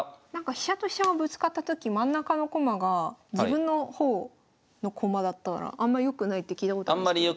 飛車と飛車がぶつかったとき真ん中の駒が自分の方の駒だったらあんまよくないって聞いたことあるんですけど。